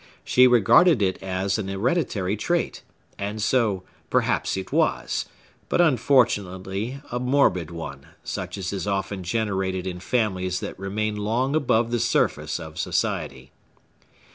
She regarded it as an hereditary trait; and so, perhaps, it was, but unfortunately a morbid one, such as is often generated in families that remain long above the surface of society.